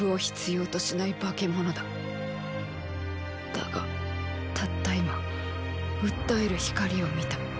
だがたった今うったえる光を見た。